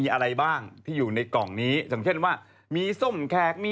ขอออเขาดูแล้วโอเคจ่ายเงินมาแน่ะ